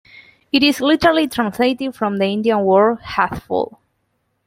It is literally translated from the Indian word "Hathphool".